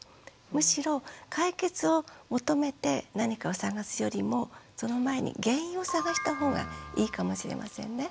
むしろ解決を求めて何かを探すよりもその前に原因を探した方がいいかもしれませんね。